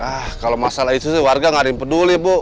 ah kalau masalah itu sih warga nggak ada yang peduli bu